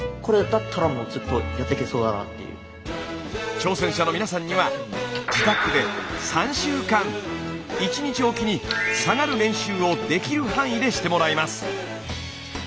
挑戦者の皆さんには自宅で３週間１日おきに「下がる」練習をできる範囲でしてもらいます。